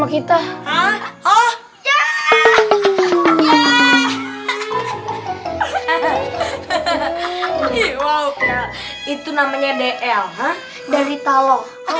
kita itu udah tau